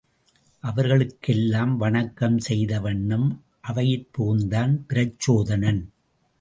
அவர்களுக்கெல்லாம் வணக்கம் செய்த வண்ணம் அவையிற்புகுந்தான் பிரச்சோதனன்.